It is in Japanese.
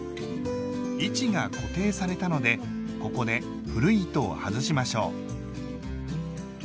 位置が固定されたのでここで古い糸を外しましょう。